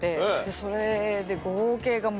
それで。